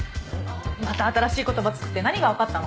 また新しい言葉作って何がわかったの？